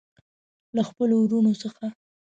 له خپلو وروڼو څخه.